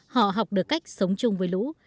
họ học được cách sống chung với lũ